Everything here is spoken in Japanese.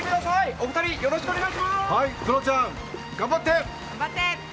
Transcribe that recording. お二人よろしくお願いします。